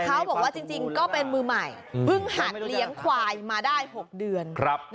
เขาบอกว่าจริงก็เป็นมือใหม่เพิ่งหัดเลี้ยงควายมาได้๖เดือน